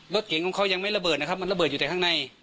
รถเก่งของเขายังไม่ระเบิดนะครับมันระเบิดอยู่แต่ข้างใน